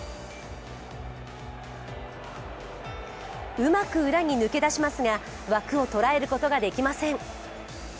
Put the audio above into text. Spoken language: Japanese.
うまく裏に抜け出しますが、枠を捉えることができません。